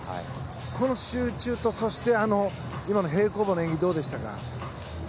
この集中とそして今の平行棒の演技どうでしたか？